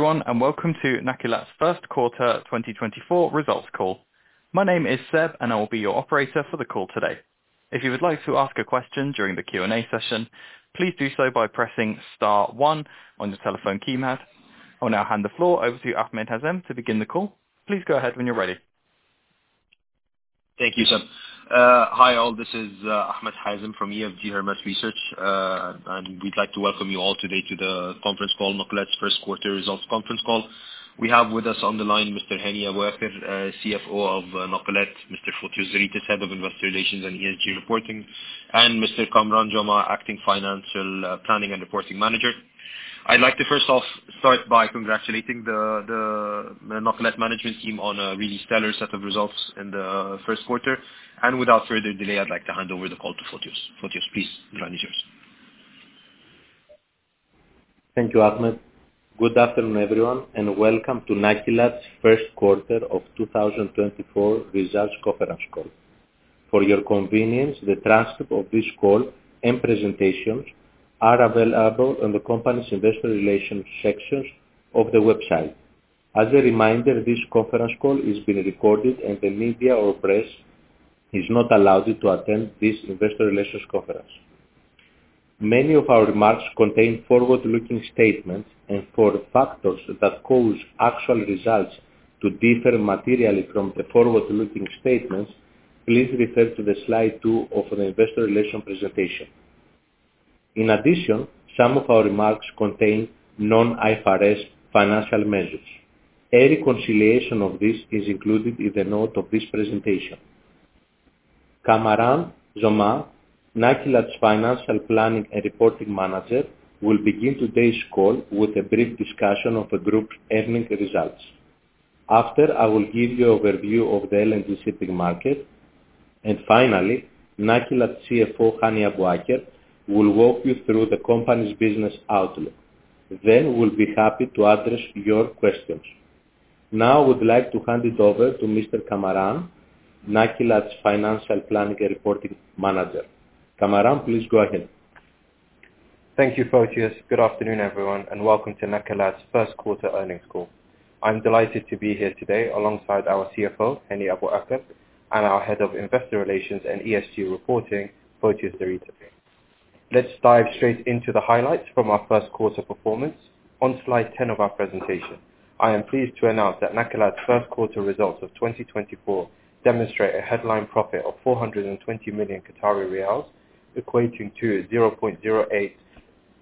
Everyone, and welcome to Nakilat's first quarter 2024 results call. My name is Seb, and I will be your operator for the call today. If you would like to ask a question during the Q&A session, please do so by pressing * one on your telephone keypad. I'll now hand the floor over to Ahmed Hazem to begin the call. Please go ahead when you're ready. Thank you, Seb. Hi, all. This is Ahmed Hazem from EFG Hermes Research. And we'd like to welcome you all today to the conference call, Nakilat's first quarter results conference call. We have with us on the line Mr. Hani Abuaker, CFO of Nakilat, Mr. Fotios Zeritis, Head of Investor Relations and ESG Reporting, and Mr. Kamaran Joma, Acting Financial Planning and Reporting Manager. I'd like to first off start by congratulating the Nakilat management team on a really stellar set of results in the first quarter, and without further delay, I'd like to hand over the call to Fotios. Fotios, please, the floor is yours. Thank you, Ahmed. Good afternoon, everyone, and welcome to Nakilat's first quarter of 2024 results conference call. For your convenience, the transcript of this call and presentations are available on the company's investor relations sections of the website. As a reminder, this conference call is being recorded, and the media or press is not allowed to attend this investor relations conference. Many of our remarks contain forward-looking statements, and for factors that cause actual results to differ materially from the forward-looking statements, please refer to the slide 2 of the investor relations presentation. In addition, some of our remarks contain non-IFRS financial measures. A reconciliation of this is included in the note of this presentation. Kamaran Joma, Nakilat's Financial Planning and Reporting Manager, will begin today's call with a brief discussion of the group's earnings results. After, I will give you overview of the LNG shipping market, and finally, Nakilat CFO, Hani Abuaker, will walk you through the company's business outlook. Then we'll be happy to address your questions. Now, I would like to hand it over to Mr. Kamaran, Nakilat's Financial Planning and Reporting Manager. Kamaran, please go ahead. Thank you, Fotios. Good afternoon, everyone, and welcome to Nakilat's first quarter earnings call. I'm delighted to be here today alongside our CFO, Hani Abuaker, and our Head of Investor Relations and ESG Reporting, Fotios Zeritis. Let's dive straight into the highlights from our first quarter performance. On slide 10 of our presentation, I am pleased to announce that Nakilat's first quarter results of 2024 demonstrate a headline profit of 420 million Qatari riyals, equating to 0.08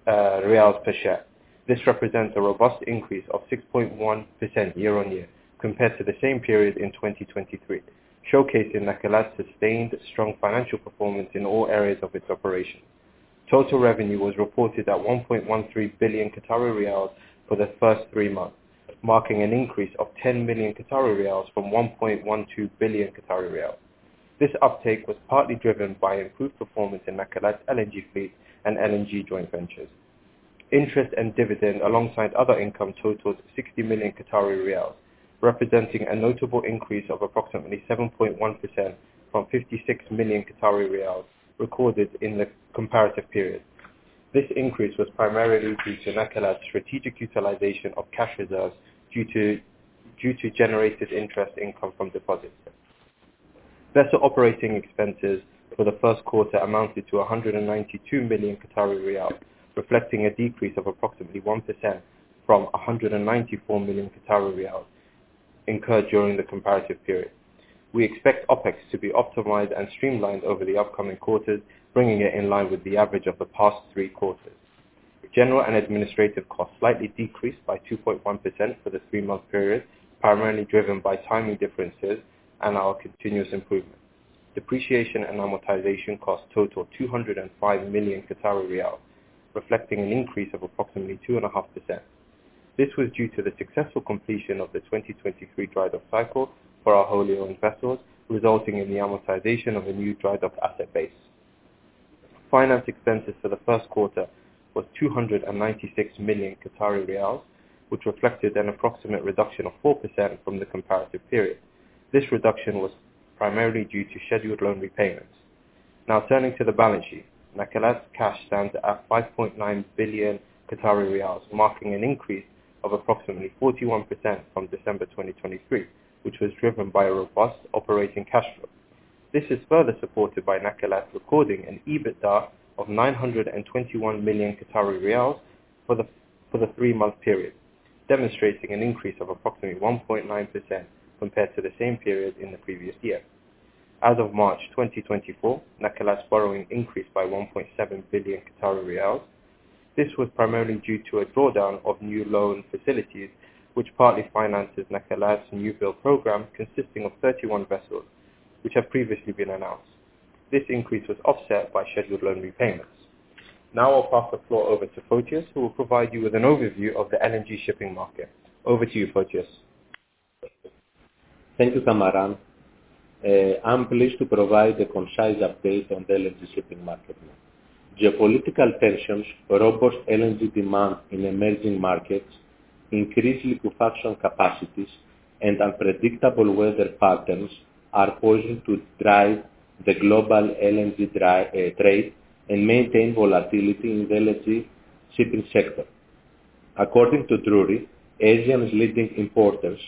Riyals per share. This represents a robust increase of 6.1% year-on-year compared to the same period in 2023, showcasing Nakilat's sustained strong financial performance in all areas of its operation. Total revenue was reported at 1.13 billion Qatari riyals for the first three months, marking an increase of 10 million Qatari riyals from 1.12 billion Qatari Riyals. This uptake was partly driven by improved performance in Nakilat's LNG fleet and LNG joint ventures. Interest and dividend, alongside other income, totaled 60 million Qatari riyals, representing a notable increase of approximately 7.1% from 56 million Qatari Riyals recorded in the comparative period. This increase was primarily due to Nakilat's strategic utilization of cash reserves due to generated interest income from deposits. Vessel operating expenses for the first quarter amounted to 192 million Qatari riyal, reflecting a decrease of approximately 1% from 194 million Qatari Riyals incurred during the comparative period. We expect OpEx to be optimized and streamlined over the upcoming quarters, bringing it in line with the average of the past three quarters. General and administrative costs slightly decreased by 2.1% for the three-month period, primarily driven by timing differences and our continuous improvement. Depreciation and amortization costs total 205 million Qatari riyal, reflecting an increase of approximately 2.5%. This was due to the successful completion of the 2023 drydock cycle for our wholly owned vessels, resulting in the amortization of the new drydock asset base. Finance expenses for the first quarter was 296 million Qatari riyals, which reflected an approximate reduction of 4% from the comparative period. This reduction was primarily due to scheduled loan repayments. Now turning to the balance sheet. Nakilat's cash stands at 5.9 billion Qatari riyals, marking an increase of approximately 41% from December 2023, which was driven by a robust operating cash flow. This is further supported by Nakilat recording an EBITDA of 921 million Qatari riyals for the three-month period, demonstrating an increase of approximately 1.9% compared to the same period in the previous year. As of March 2024, Nakilat's borrowing increased by 1.7 billion Qatari riyals. This was primarily due to a drawdown of new loan facilities, which partly finances Nakilat's new build program, consisting of 31 vessels, which have previously been announced. This increase was offset by scheduled loan repayments. Now I'll pass the floor over to Fotios, who will provide you with an overview of the LNG shipping market. Over to you, Fotios. Thank you, Kamaran. I'm pleased to provide a concise update on the LNG shipping market. Geopolitical tensions, robust LNG demand in emerging markets, increased liquefaction capacities, and unpredictable weather patterns are poised to drive the global LNG trade and maintain volatility in the LNG shipping sector. According to Drewry, Asia's leading importers,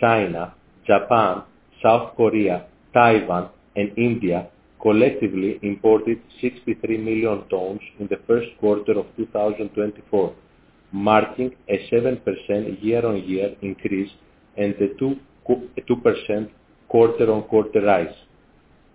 China, Japan, South Korea, Taiwan, and India, collectively imported 63 million tons in the first quarter of 2024, marking a 7% year-on-year increase and a two percent quarter-on-quarter rise.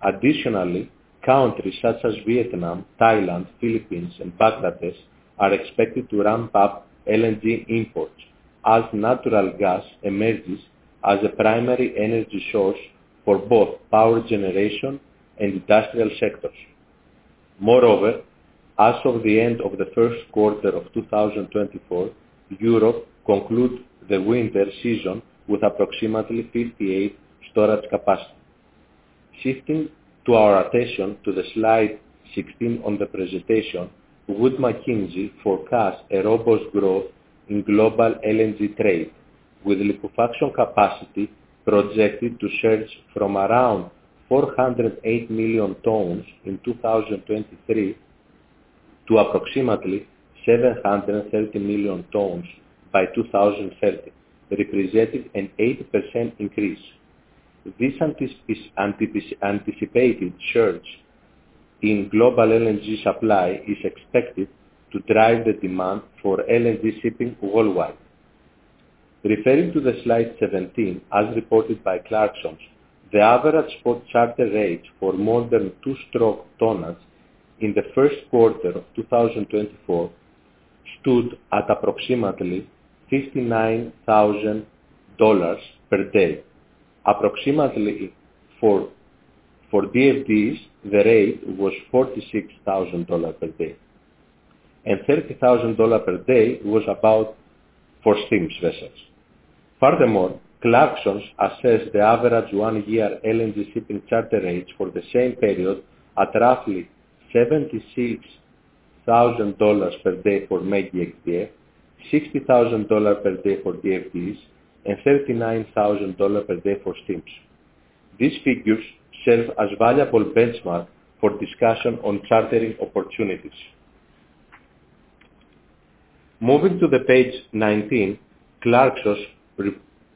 Additionally, countries such as Vietnam, Thailand, Philippines, and Pakistan are expected to ramp up LNG imports as natural gas emerges as a primary energy source for both power generation and industrial sectors. Moreover, as of the end of the first quarter of 2024, Europe concludes the winter season with approximately 58% storage capacity. Shifting our attention to slide 16 on the presentation, Wood Mackenzie forecasts a robust growth in global LNG trade, with liquefaction capacity projected to surge from around 408 million tons in 2023, to approximately 730 million tons by 2030, representing an 80% increase. This anticipated surge in global LNG supply is expected to drive the demand for LNG shipping worldwide. Referring to slide 17, as reported by Clarksons, the average spot charter rate for modern two-stroke tonnage in the first quarter of 2024 stood at approximately $59,000 per day. Approximately for DFDEs, the rate was $46,000 per day, and $30,000 per day was about for steam vessels. Furthermore, Clarksons assessed the average one-year LNG shipping charter rates for the same period at roughly $76,000 per day for Mega DFDE, $60,000 per day for DFDEs, and $39,000 per day for steam turbines. These figures serve as valuable benchmark for discussion on chartering opportunities. Moving to page 19, Clarksons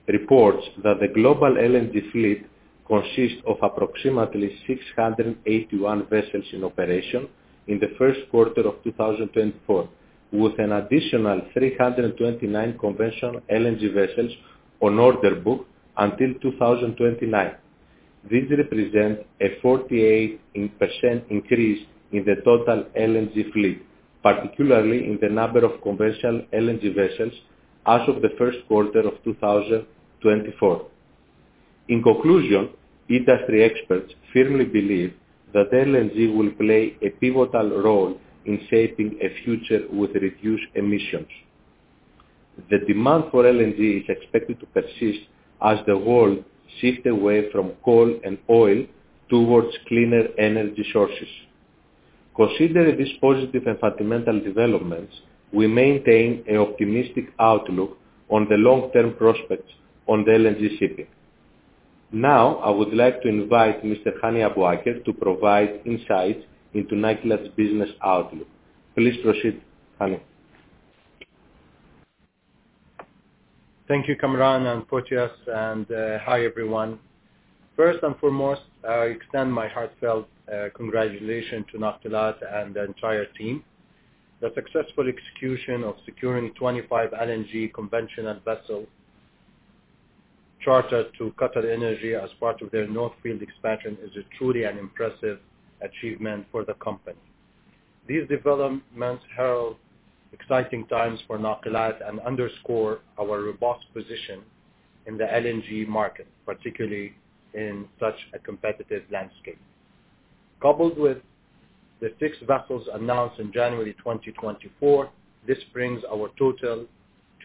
reports that the global LNG fleet consists of approximately 681 vessels in operation in the first quarter of 2024, with an additional 329 conventional LNG vessels on order book until 2029. This represents a 48% increase in the total LNG fleet, particularly in the number of conventional LNG vessels as of the first quarter of 2024. In conclusion, industry experts firmly believe that LNG will play a pivotal role in shaping a future with reduced emissions. The demand for LNG is expected to persist as the world shifts away from coal and oil towards cleaner energy sources. Considering these positive and fundamental developments, we maintain an optimistic outlook on the long-term prospects on the LNG shipping. Now, I would like to invite Mr. Hani Abuaker to provide insights into Nakilat's business outlook. Please proceed, Hani. Thank you, Kamaran and Fotios, hi, everyone. First and foremost, I extend my heartfelt congratulations to Nakilat and the entire team. The successful execution of securing 25 LNG conventional vessel charter to QatarEnergy as part of their North Field Expansion is truly an impressive achievement for the company. These developments herald exciting times for Nakilat and underscore our robust position in the LNG market, particularly in such a competitive landscape. Coupled with the six vessels announced in January 2024, this brings our total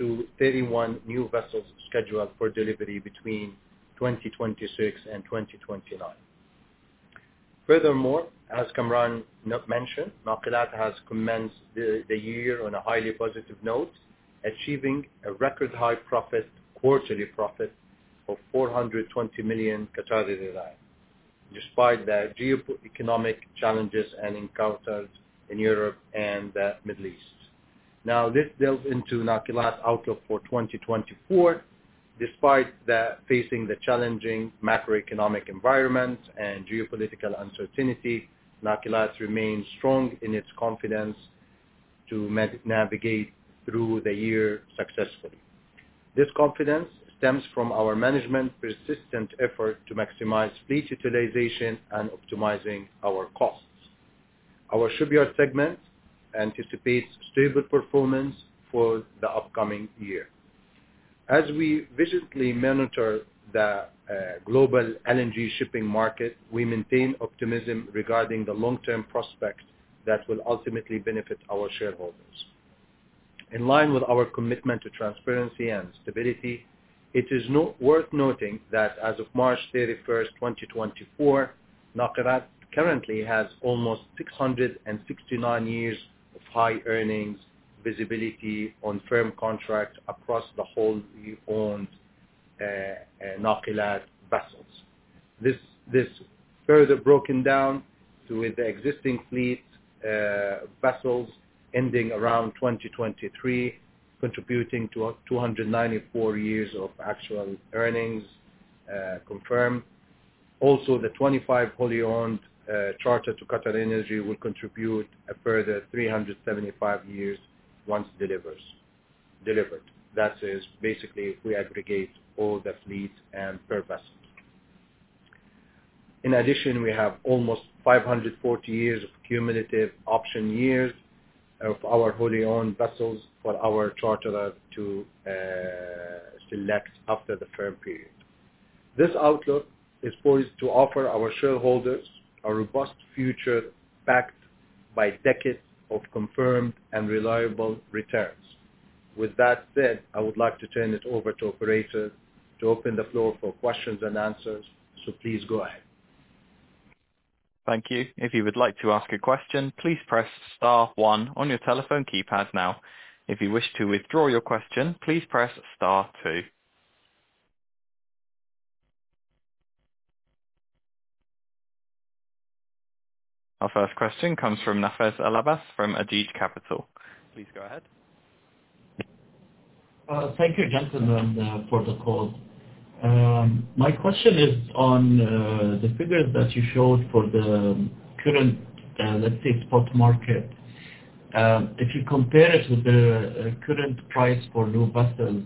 to 31 new vessels scheduled for delivery between 2026 and 2029. Furthermore, as Kamaran noted, Nakilat has commenced the year on a highly positive note, achieving a record high quarterly profit of 420 million, despite the geo-economic challenges and encounters in Europe and the Middle East. Now, this builds into Nakilat's outlook for 2024. Despite facing the challenging macroeconomic environment and geopolitical uncertainty, Nakilat remains strong in its confidence to navigate through the year successfully. This confidence stems from our management's persistent effort to maximize fleet utilization and optimizing our costs. Our shipyard segment anticipates stable performance for the upcoming year. As we vigilantly monitor the global LNG shipping market, we maintain optimism regarding the long-term prospects that will ultimately benefit our shareholders. In line with our commitment to transparency and stability, it is worth noting that as of March 31, 2024, Nakilat currently has almost 669 years of high earnings visibility on firm contracts across the wholly owned Nakilat vessels. This, this further broken down to with the existing fleet, vessels ending around 2023, contributing to 294 years of actual earnings, confirmed. Also, the 25 wholly owned, charter to QatarEnergy will contribute a further 375 years once delivers, delivered. That is basically, we aggregate all the fleet and per vessel. In addition, we have almost 540 years of cumulative option years of our wholly owned vessels for our charterers to, select after the firm period. This outlook is poised to offer our shareholders a robust future, backed by decades of confirmed and reliable returns. With that said, I would like to turn it over to operator to open the floor for questions and answers. So please go ahead. Thank you. If you would like to ask a question, please press * one on your telephone keypad now. If you wish to withdraw your question, please press * two. Our first question comes from Nafez Al-Abbas from Ajeej Capital. Please go ahead. Thank you, gentlemen, for the call. My question is on the figures that you showed for the current, let's say, spot market. If you compare it with the current price for new vessels,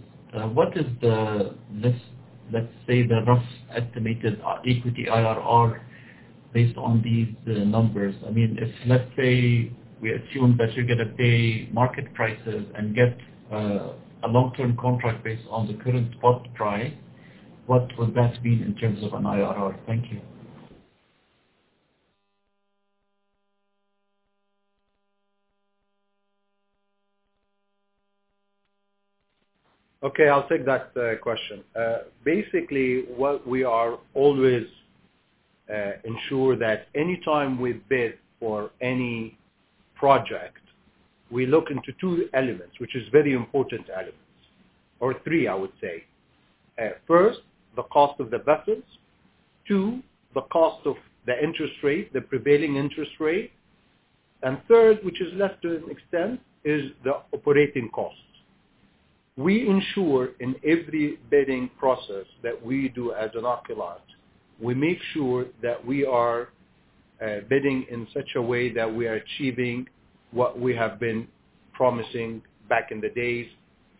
what is the, let's say, the rough estimated equity IRR based on these numbers? I mean, if let's say we assume that you're going to pay market prices and get a long-term contract based on the current spot price, what would that mean in terms of an IRR? Thank you. Okay, I'll take that question. Basically, what we are always ensure that any time we bid for any project, we look into two elements, which is very important elements, or three, I would say. First, the cost of the vessels. Two, the cost of the interest rate, the prevailing interest rate. And third, which is less to an extent, is the operating costs. We ensure in every bidding process that we do as Nakilat, we make sure that we are bidding in such a way that we are achieving what we have been promising back in the days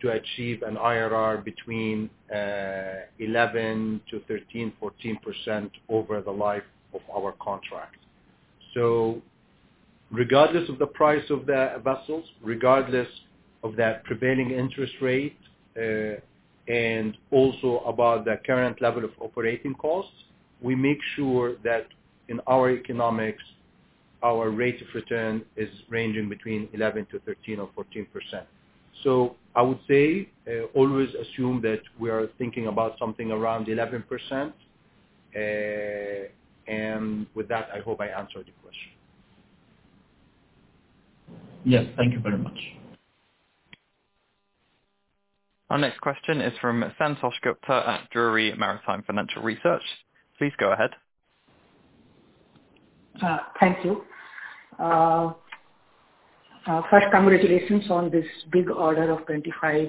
to achieve an IRR between 11%-14% over the life of our contract. Regardless of the price of the vessels, regardless of that prevailing interest rate, and also about the current level of operating costs, we make sure that in our economics, our rate of return is ranging between 11%-13% or 14%. I would say, always assume that we are thinking about something around 11%. With that, I hope I answered your question. Yes. Thank you very much. Our next question is from Santosh Gupta at Drewry Maritime Financial Research. Please go ahead. Thank you. First, congratulations on this big order of 25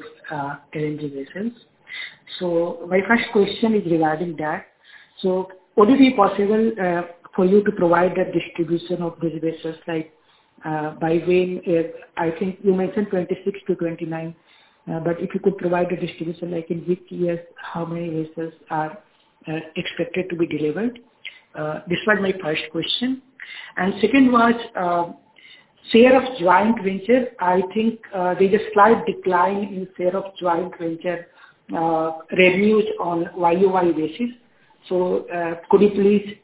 LNG vessels. So my first question is regarding that. So would it be possible for you to provide the distribution of these vessels, like, by when? I think you mentioned 2026-2029. But if you could provide a distribution, like in which years, how many vessels are expected to be delivered? This was my first question. Second was share of joint venture. I think there's a slight decline in share of joint venture revenues on year-over-year basis. So, could you please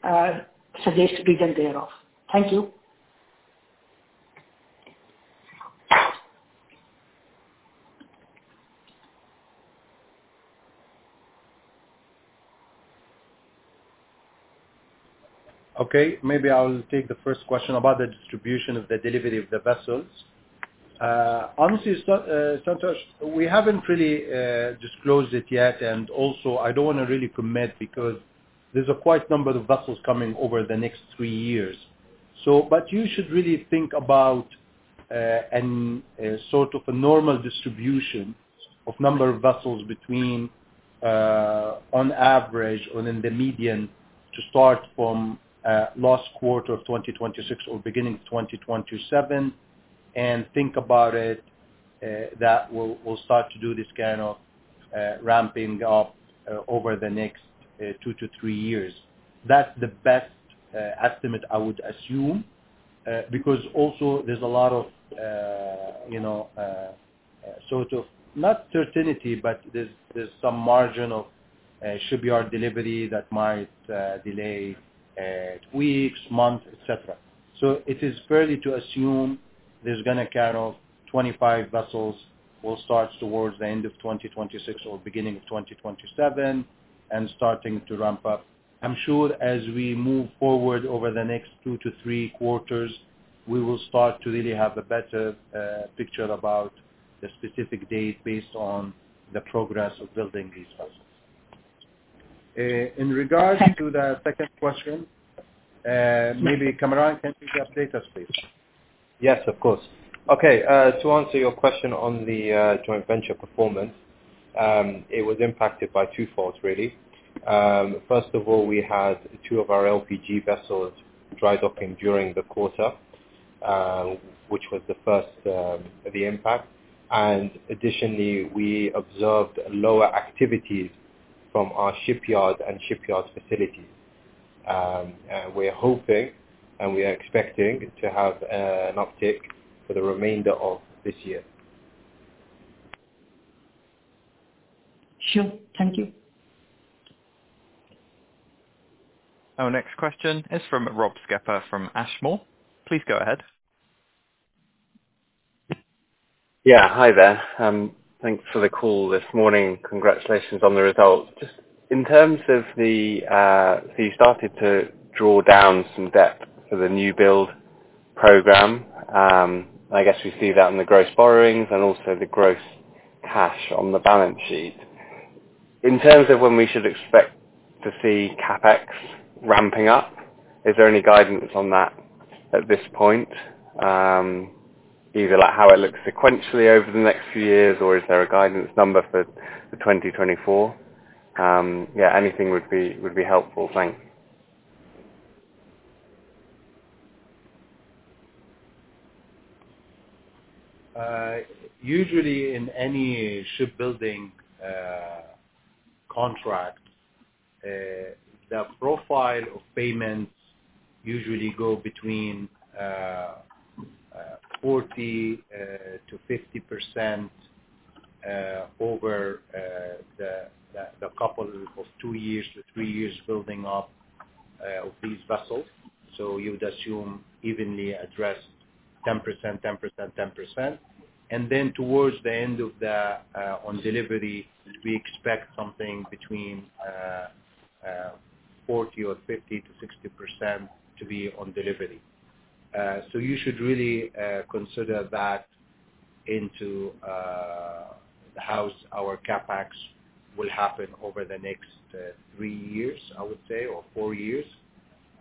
suggest reason thereof? Thank you. Okay, maybe I'll take the first question about the distribution of the delivery of the vessels. Honestly, Santosh, we haven't really disclosed it yet. Also, I don't want to really commit, because there's quite a number of vessels coming over the next three years. But you should really think about sort of a normal distribution of number of vessels between on average or in the median, to start from last quarter of 2026 or beginning of 2027, and think about it that we'll we'll start to do this kind of ramping up over the next two to three years. That's the best estimate I would assume, because also there's a lot of, you know, sort of not certainty, but there's, there's some margin of shipyard delivery that might delay weeks, months, et cetera. So it is fairly to assume there's going to kind of 25 vessels will start towards the end of 2026 or beginning of 2027... and starting to ramp up. I'm sure as we move forward over the next 2 to 3 quarters, we will start to really have a better picture about the specific date based on the progress of building these vessels. In regards to the second question, maybe Kamaran, can you update us, please? Yes, of course. Okay, to answer your question on the joint venture performance, it was impacted by two faults, really. First of all, we had two of our LPG vessels drydocking during the quarter, which was the first, the impact. And additionally, we observed lower activities from our shipyards and shipyards facilities. And we're hoping, and we are expecting to have, an uptick for the remainder of this year. Sure. Thank you. Our next question is from Rob Skepper from Ashmore. Please go ahead. Yeah, hi there. Thanks for the call this morning. Congratulations on the results. Just in terms of the, so you started to draw down some debt for the new build program. I guess we see that in the gross borrowings and also the gross cash on the balance sheet. In terms of when we should expect to see CapEx ramping up, is there any guidance on that at this point? Either like how it looks sequentially over the next few years, or is there a guidance number for the 2024? Yeah, anything would be, would be helpful. Thanks. Usually in any shipbuilding contract, the profile of payments usually go between 40%-50% over the couple of two years to three years building up of these vessels. So you would assume evenly addressed 10%, 10%, 10%. And then towards the end of the on delivery, we expect something between 40 or 50 to 60% to be on delivery. So you should really consider that into how our CapEx will happen over the next three years, I would say, or four years.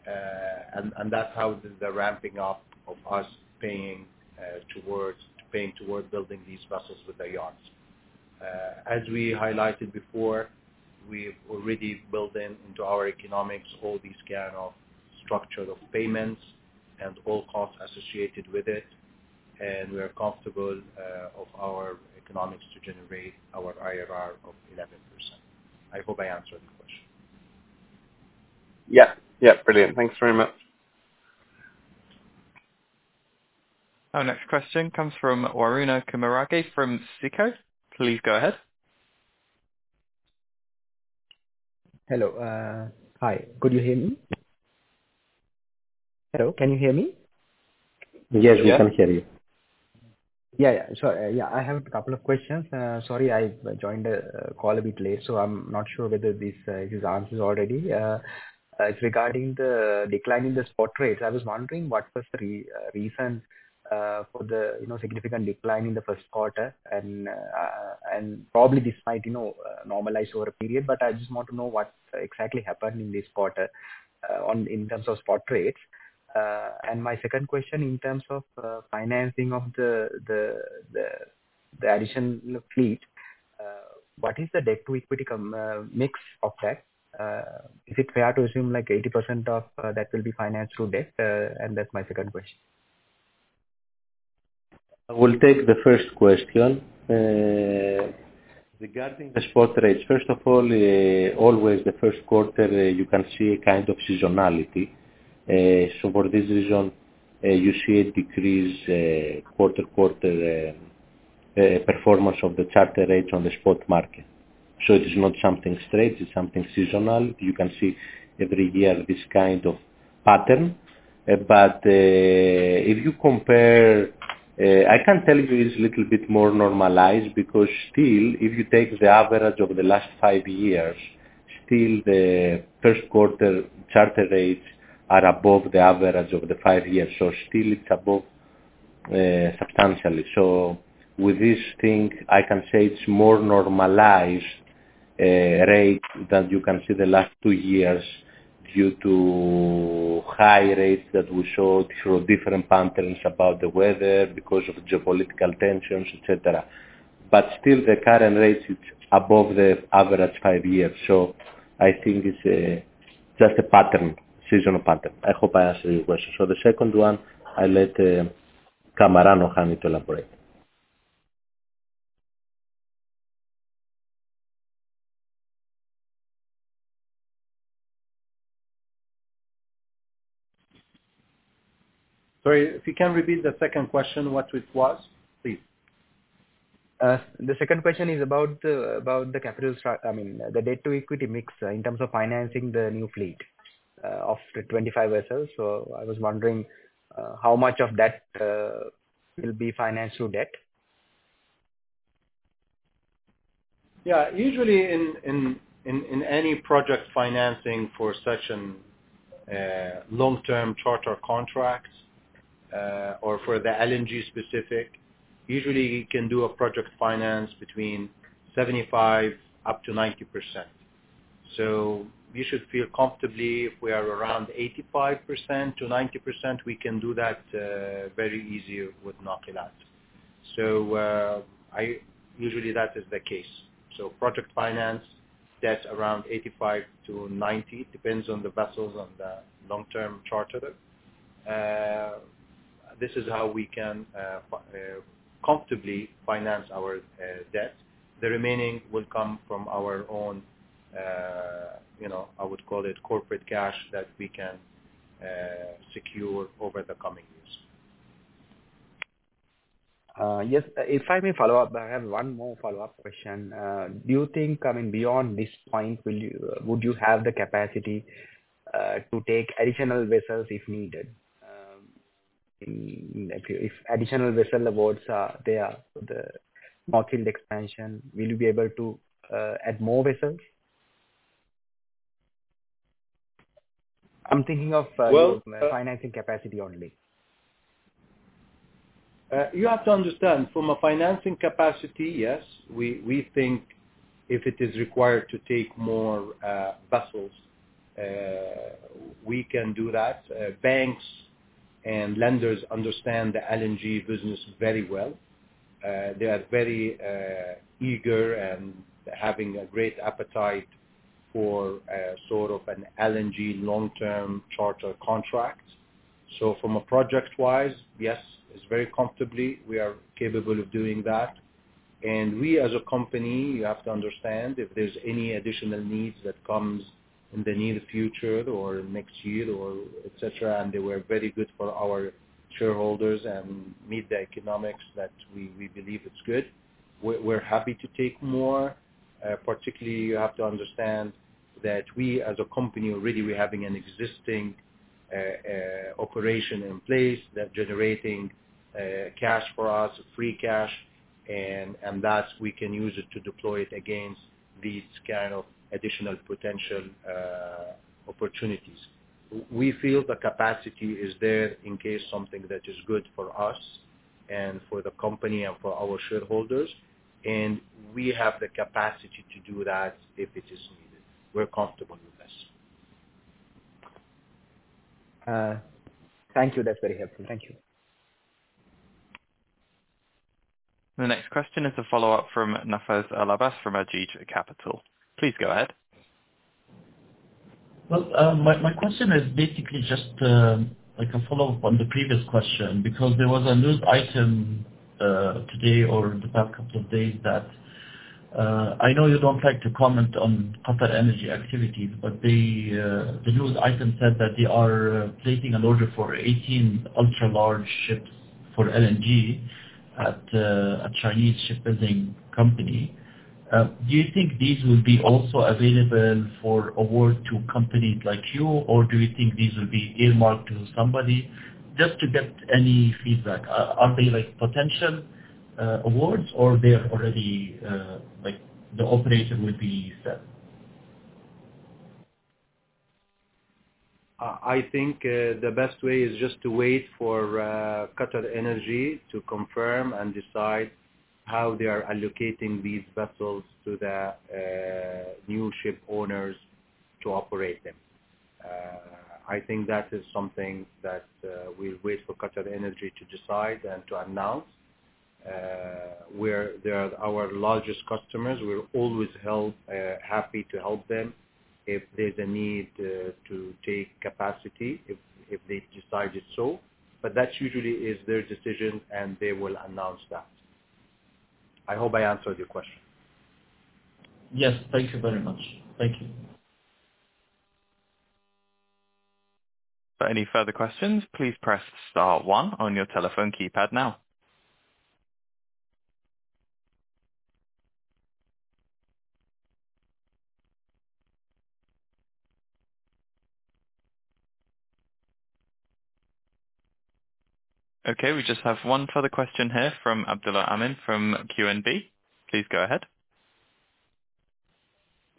And that's how the ramping up of us paying towards building these vessels with the yards. As we highlighted before, we've already built in into our economics, all these kind of structure of payments and all costs associated with it, and we are comfortable of our economics to generate our IRR of 11%. I hope I answered the question. Yeah, yeah. Brilliant. Thanks very much. Our next question comes from Waruna Kumarage, from SICO. Please go ahead. Hello, hi. Could you hear me? Hello, can you hear me? Yes, we can hear you. Yeah, yeah. So, yeah, I have a couple of questions. Sorry, I joined the call a bit late, so I'm not sure whether this is answered already. It's regarding the decline in the spot rates. I was wondering what was the reason for the, you know, significant decline in the first quarter, and probably this might, you know, normalize over a period, but I just want to know what exactly happened in this quarter, on in terms of spot rates. And my second question, in terms of financing of the additional fleet, what is the debt-to-equity mix of that? Is it fair to assume like 80% of that will be financed through debt? And that's my second question. I will take the first question. Regarding the spot rates, first of all, always the first quarter, you can see a kind of seasonality. So for this reason, you see a decrease, quarter-to-quarter, performance of the charter rates on the spot market. So it is not something strange, it's something seasonal. You can see every year this kind of pattern. But, if you compare... I can tell you it's little bit more normalized, because still, if you take the average over the last five years, still the first quarter charter rates are above the average over the five years. So still it's above, substantially. So with this thing, I can say it's more normalized, rate that you can see the last two years, due to high rates that we saw through different patterns about the weather, because of geopolitical tensions, et cetera. But still, the current rates is above the average five years, so I think it's, just a pattern, seasonal pattern. I hope I answered your question. So the second one, I let, Kamaran or Hani to elaborate. Sorry, if you can repeat the second question, what it was, please? The second question is about the capital structure. I mean, the debt-to-equity mix in terms of financing the new fleet of the 25 vessels. So I was wondering how much of that will be financed through debt?... Yeah, usually in any project financing for such an long-term charter contracts, or for the LNG specific, usually you can do a project finance between 75%-90%. So we should feel comfortably if we are around 85%-90%, we can do that very easy with Nakilat. So, I usually that is the case. So project finance, that's around 85%-90%, depends on the vessels and the long-term charterer. This is how we can comfortably finance our debt. The remaining will come from our own, you know, I would call it corporate cash, that we can secure over the coming years. Yes, if I may follow up, I have one more follow-up question. Do you think, I mean, beyond this point, would you have the capacity to take additional vessels if needed? If additional vessel awards are there, the North Field expansion, will you be able to add more vessels? I'm thinking of- Well- - financing capacity only. You have to understand, from a financing capacity, yes, we, we think if it is required to take more vessels, we can do that. Banks and lenders understand the LNG business very well. They are very eager and having a great appetite for sort of an LNG long-term charter contract. So from a project-wise, yes, it's very comfortably, we are capable of doing that. And we as a company, you have to understand, if there's any additional needs that comes in the near future or next year or et cetera, and they were very good for our shareholders and meet the economics, that we, we believe it's good. We're, we're happy to take more. Particularly, you have to understand that we as a company already we're having an existing operation in place that generating cash for us, free cash, and thus we can use it to deploy it against these kind of additional potential opportunities. We feel the capacity is there in case something that is good for us and for the company and for our shareholders, and we have the capacity to do that if it is needed. We're comfortable with this. Thank you. That's very helpful. Thank you. The next question is a follow-up from Nafez Al-Abbas from Ajeej Capital. Please go ahead. Well, my question is basically just like a follow-up on the previous question, because there was a news item today or the past couple of days that I know you don't like to comment on QatarEnergy activities, but the news item said that they are placing an order for 18 ultra large ships for LNG at a Chinese shipbuilding company. Do you think these will be also available for award to companies like you, or do you think these will be earmarked to somebody? Just to get any feedback. Are they like potential awards or they are already like the operation will be set? I think, the best way is just to wait for, QatarEnergy to confirm and decide how they are allocating these vessels to the, new ship owners to operate them. I think that is something that, we wait for QatarEnergy to decide and to announce. We're their, our largest customers, we're always happy to help them if there's a need, to take capacity, if, if they've decided so. But that usually is their decision, and they will announce that. I hope I answered your question. Yes, thank you very much. Thank you. Any further questions, please press * one on your telephone keypad now. Okay, we just have one further question here from Abdullah Amin, from QNB. Please go ahead.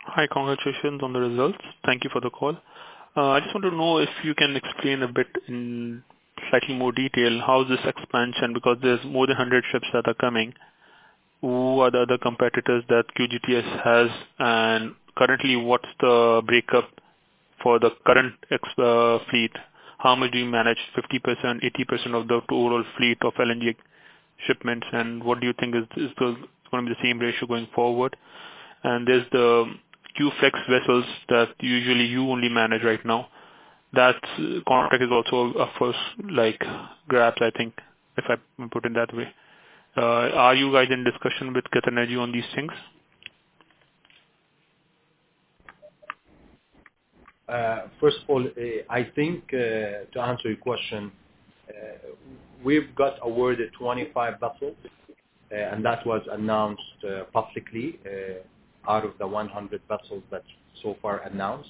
Hi, congratulations on the results. Thank you for the call. I just want to know if you can explain a bit in slightly more detail how is this expansion, because there's more than 100 ships that are coming. Who are the other competitors that QGTS has? Currently, what's the breakup for the current existing fleet? How much do you manage? 50%, 80% of the total fleet of LNG shipments, and what do you think is gonna be the same ratio going forward? There's the Q-Flex vessels that usually you only manage right now. That contract is also, of course, like up for grabs, I think, if I put it that way. Are you guys in discussion with QatarEnergy on these things? First of all, I think, to answer your question, we've got awarded 25 vessels, and that was announced publicly, out of the 100 vessels that so far announced.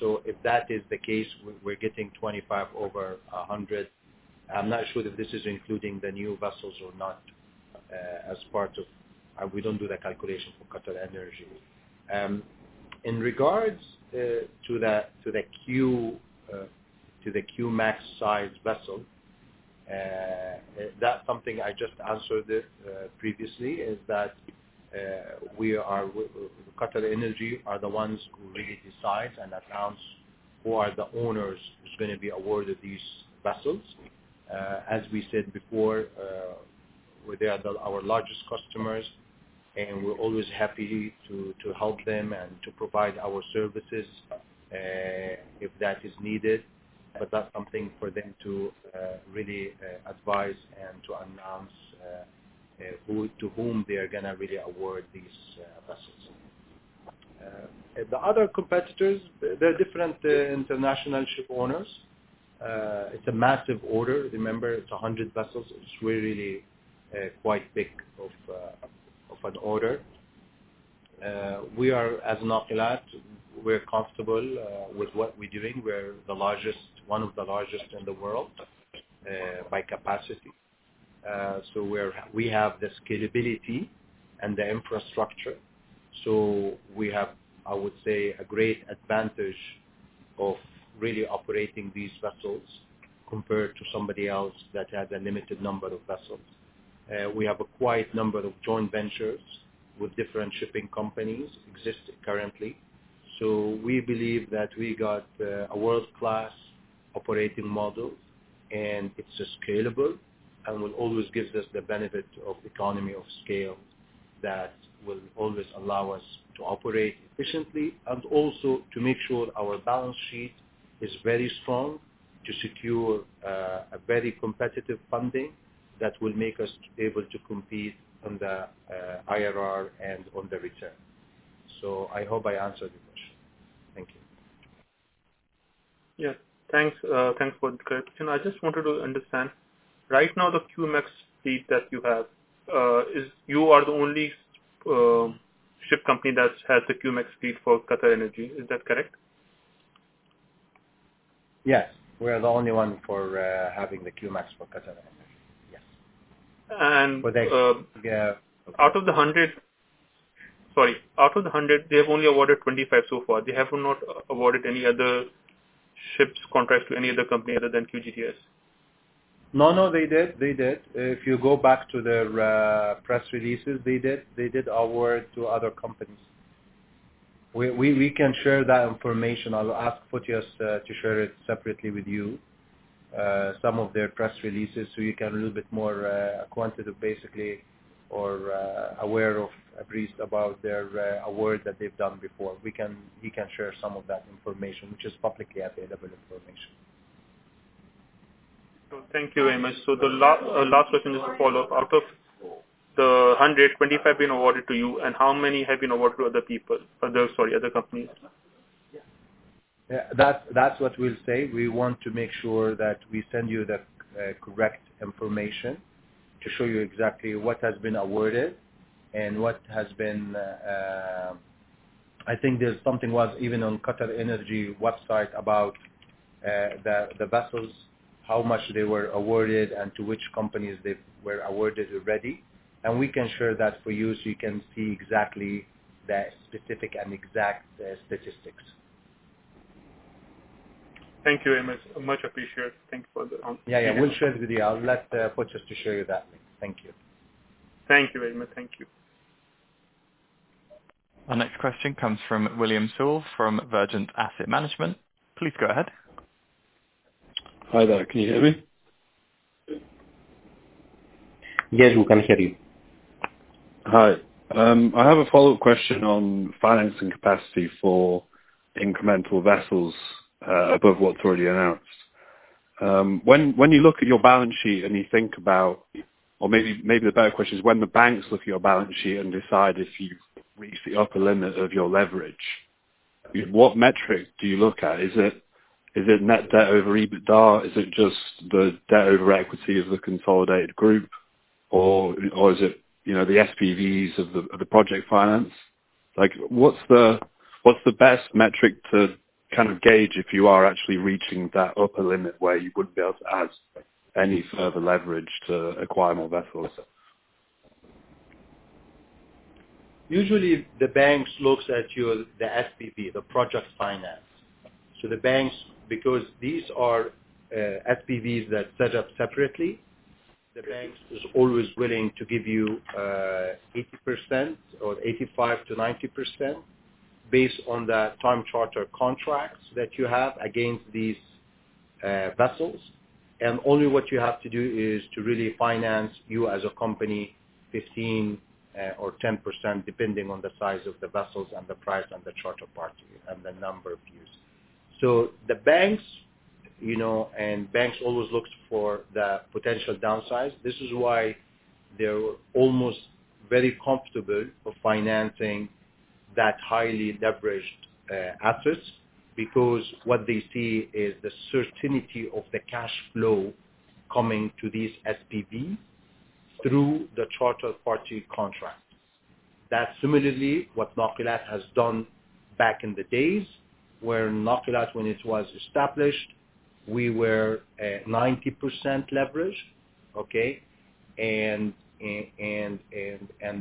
So if that is the case, we're getting 25 over a hundred. I'm not sure if this is including the new vessels or not, as part of. We don't do the calculation for QatarEnergy. In regards to the Q-Max size vessel, that's something I just answered it previously, is that, QatarEnergy are the ones who really decide and announce who are the owners who's gonna be awarded these vessels. As we said before, they are the, our largest customers, and we're always happy to, to help them and to provide our services, if that is needed. But that's something for them to, really, advise and to announce, who, to whom they are gonna really award these, vessels. The other competitors, there are different, international shipowners. It's a massive order. Remember, it's 100 vessels. It's really, quite big of, of an order. We are, as Nakilat, we're comfortable, with what we're doing. We're the largest, one of the largest in the world, by capacity. So we're... We have the scalability and the infrastructure, so we have, I would say, a great advantage of really operating these vessels compared to somebody else that has a limited number of vessels. We have a quite number of joint ventures with different shipping companies, exist currently. So we believe that we got a world-class operating model, and it's scalable and will always gives us the benefit of economy of scale that will always allow us to operate efficiently, and also to make sure our balance sheet is very strong, to secure a very competitive funding that will make us able to compete on the IRR and on the return. So I hope I answered your question. Thank you. Yes, thanks. Thanks for the clarification. I just wanted to understand, right now, the Q-Max fleet that you have, is... You are the only ship company that has the Q-Max fleet for Qatar Energy. Is that correct? Yes. We are the only one for having the Q-Max for QatarEnergy. Yes. And, um- Yeah. Out of the 100... Sorry. Out of the 100, they have only awarded 25 so far. They have not awarded any other ships contracts to any other company other than QGTS? No, no, they did. They did. If you go back to their press releases, they did, they did award to other companies. We, we, we can share that information. I'll ask Fotios to share it separately with you some of their press releases, so you can a little bit more acquainted, basically, or aware of at least about their awards that they've done before. We can, we can share some of that information, which is publicly available information. Thank you very much. The last question is a follow-up. Out of the 125 been awarded to you, and how many have been awarded to other people? Other, sorry, other companies. Yeah, that's, that's what we'll say. We want to make sure that we send you the correct information, to show you exactly what has been awarded and what has been... I think there's something was even on QatarEnergy website about the vessels, how much they were awarded and to which companies they were awarded already. And we can share that for you, so you can see exactly the specific and exact statistics. Thank you very much. Much appreciated. Thank you for the answer. Yeah, yeah, we'll share with you. I'll let Fotios to share you that link. Thank you. Thank you very much. Thank you. Our next question comes from William Sewell from Verdant Capital. Please go ahead. Hi there. Can you hear me? Yes, we can hear you. Hi. I have a follow-up question on financing capacity for incremental vessels above what's already announced. When you look at your balance sheet and you think about... Or maybe, maybe the better question is, when the banks look at your balance sheet and decide if you've reached the upper limit of your leverage, what metric do you look at? Is it net debt over EBITDA? Is it just the debt over equity of the consolidated group, or is it, you know, the SPVs of the project finance? Like, what's the best metric to kind of gauge if you are actually reaching that upper limit where you wouldn't be able to add any further leverage to acquire more vessels? Usually, the banks looks at your, the SPV, the project finance. So the banks, because these are, SPVs that set up separately, the banks is always willing to give you, 80% or 85%-90%, based on the time charter contracts that you have against these, vessels. Only what you have to do is to really finance you, as a company, 15 or 10%, depending on the size of the vessels and the price, and the charter party, and the number of years. So the banks, you know, and banks always looks for the potential downsides. This is why they're almost very comfortable for financing that highly leveraged, assets, because what they see is the certainty of the cash flow coming to these SPV through the charter party contract... That's similarly what Nakilat has done back in the days, where Nakilat, when it was established, we were at 90% leveraged, okay? And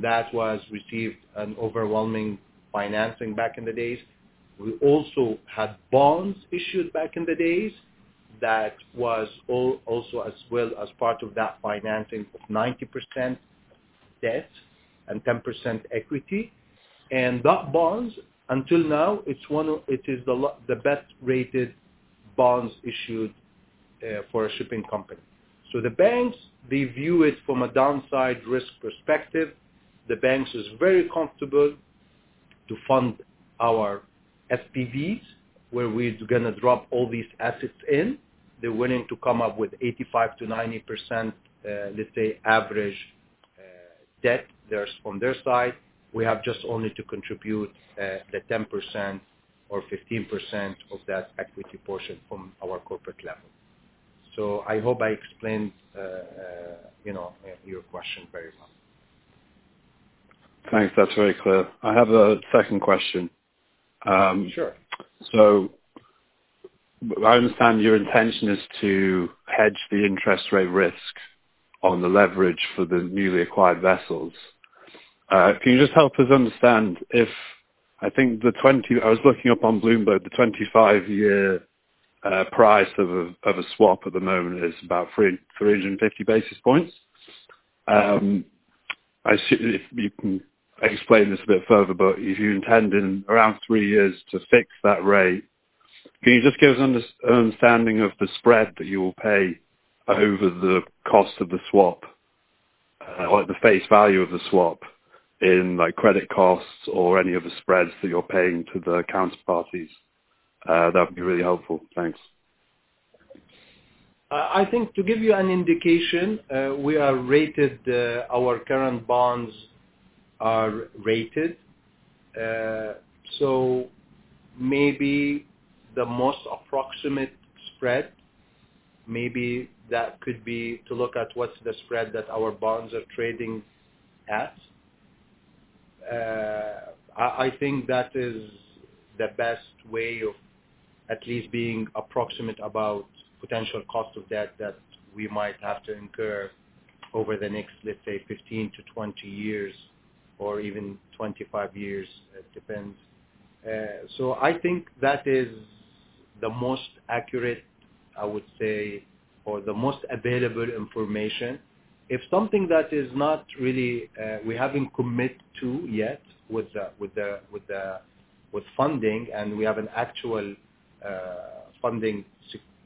that was received an overwhelming financing back in the days. We also had bonds issued back in the days, that was also as well as part of that financing of 90% debt and 10% equity. And that bonds, until now, it's one of, it is the best rated bonds issued for a shipping company. So the banks, they view it from a downside risk perspective. The banks is very comfortable to fund our SPVs, where we're gonna drop all these assets in. They're willing to come up with 85%-90%, let's say, average, debt, theirs, from their side. We have just only to contribute the 10% or 15% of that equity portion from our corporate level. So I hope I explained, you know, your question very well. Thanks. That's very clear. I have a second question. Sure. So I understand your intention is to hedge the interest rate risk on the leverage for the newly acquired vessels. Can you just help us understand if, I think the 25... I was looking up on Bloomberg, the 25-year price of a swap at the moment is about 350 basis points. I see if you can explain this a bit further, but if you intend in around three years to fix that rate, can you just give us understanding of the spread that you will pay over the cost of the swap, or the face value of the swap, in, like, credit costs or any other spreads that you're paying to the counterparties? That would be really helpful. Thanks. I think to give you an indication, we are rated, our current bonds are rated. So maybe the most approximate spread, maybe that could be to look at what's the spread that our bonds are trading at. I, I think that is the best way of at least being approximate about potential cost of debt that we might have to incur over the next, let's say, 15-20 years, or even 25 years. It depends. So I think that is the most accurate, I would say, or the most available information. If something that is not really, we haven't committed to yet with the funding, and we have an actual funding,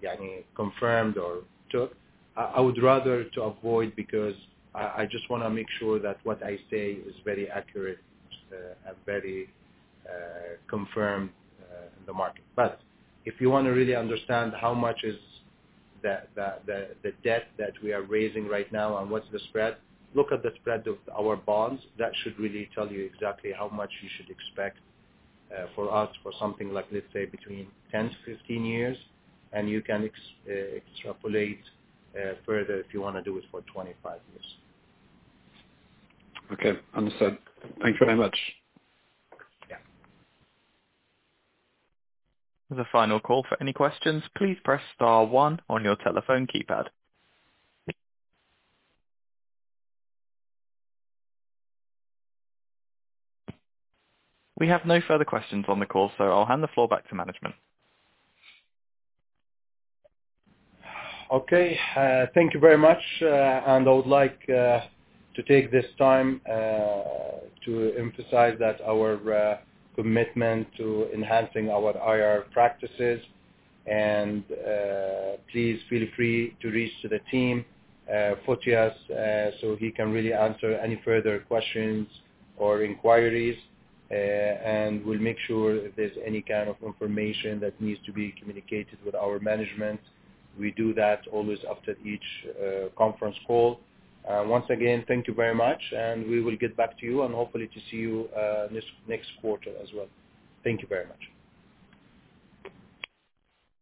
I mean, confirmed or took, I would rather to avoid, because I just wanna make sure that what I say is very accurate and very confirmed in the market. But if you want to really understand how much is the debt that we are raising right now and what's the spread, look at the spread of our bonds. That should really tell you exactly how much you should expect for us for something like, let's say, between 10-15 years, and you can extrapolate further if you wanna do it for 25 years. Okay, understood. Thank you very much. Yeah. The final call for any questions, please press *one on your telephone keypad. We have no further questions on the call, so I'll hand the floor back to management. Okay, thank you very much. I would like to take this time to emphasize that our commitment to enhancing our IR practices, and please feel free to reach to the team, Fotios, so he can really answer any further questions or inquiries. We'll make sure if there's any kind of information that needs to be communicated with our management, we do that always after each conference call. Once again, thank you very much, and we will get back to you and hopefully to see you this next quarter as well. Thank you very much.